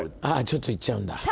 あっちょっと行っちゃうんだ。